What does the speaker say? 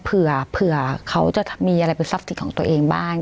เผื่อเผื่อเขาจะมีอะไรเป็นซับสิทธิ์ของตัวเองบ้าง